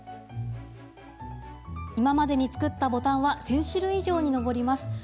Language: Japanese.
今までに作ったボタンは１０００種類以上に上ります。